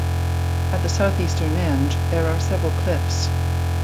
At the south-eastern end, there are several cliffs.